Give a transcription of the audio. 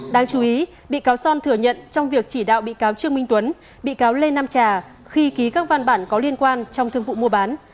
đáng chú ý bị cáo son thừa nhận trong việc chỉ đạo bị cáo trương minh tuấn bị cáo lê nam trà khi ký các văn bản có liên quan trong thương vụ mua bán